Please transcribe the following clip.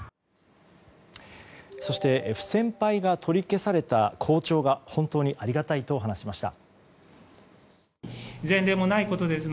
そして不戦敗が取り消された校長が本当にありがたいと話しました。